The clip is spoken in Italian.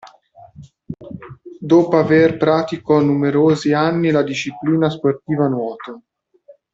Dopo aver pratico numerosi anni la disciplina sportiva nuoto.